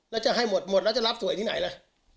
แล้วจะให้หมดหมดแล้วจะรับสวยที่ไหนล่ะ